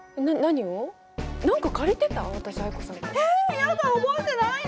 やだ覚えてないの！？